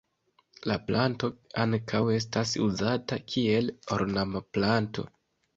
La planto ankaŭ estas uzata kiel ornamplanto.